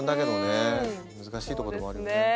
難しいとこでもあるよね。